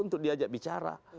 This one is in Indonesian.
untuk diajak bicara